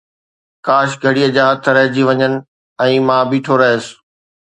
ڪاش گھڙيءَ جا هٿ رهجي وڃن ۽ مان بيٺو رهيس